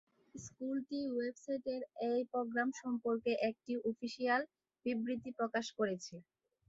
স্কুলটি ওয়েবসাইটে এই প্রোগ্রাম সম্পর্কে একটি অফিসিয়াল বিবৃতি প্রকাশ করেছে।